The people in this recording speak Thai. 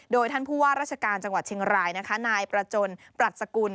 โดยท่านผู้ว่าราชการจังหวัดเชียงรายนะคะนายประจนปรัชกุล